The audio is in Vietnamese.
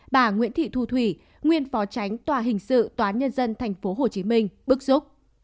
bà nguyễn thị thu thủy nguyên phó tránh tòa hình sự tòa nhân dân tp hcm bức xúc